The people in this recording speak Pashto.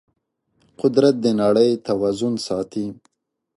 قدرت د نړۍ توازن ساتي.